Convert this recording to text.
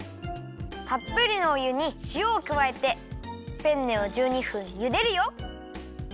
たっぷりのお湯にしおをくわえてペンネを１２分ゆでるよ。